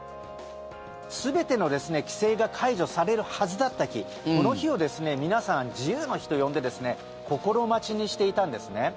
全ての規制が解除されるはずだった日この日を皆さん自由の日と呼んで心待ちにしていたんですね。